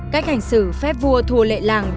cách hành xử phép vua thù lệ làng